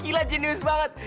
gila jenius banget